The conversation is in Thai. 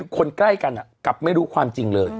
คนใกล้กันกลับไม่รู้ความจริงเลย